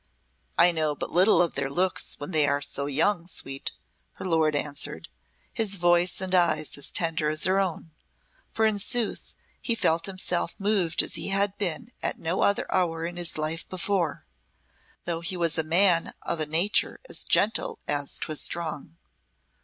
"I know but little of their looks when they are so young, sweet," her lord answered, his voice and eyes as tender as her own; for in sooth he felt himself moved as he had been at no other hour in his life before, though he was a man of a nature as gentle as 'twas strong.